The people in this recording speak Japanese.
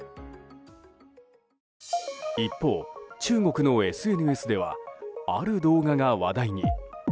一方、中国のＳＮＳではある動画が話題に。